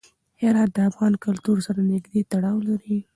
هرات د افغان کلتور سره نږدې تړاو لري.